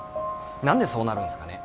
何でそうなるんすかね。